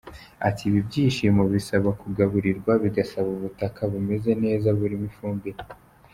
Ati “Ibi bishyimbo bisaba kugaburirwa bigasaba ubutaka bumeze neza burimo ifumbire.